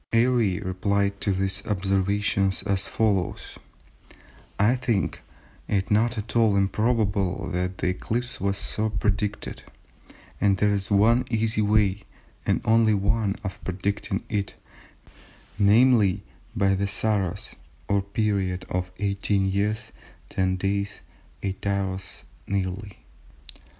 Airy replied to these observations as follows:—"I think it not at all improbable that the eclipse was so predicted, and there is one easy way, and only one of predicting it—namely, by the Saros, or period of 18 years, 10 days, 8 hours nearly.